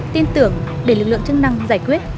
tin tưởng để lực lượng chức năng giải quyết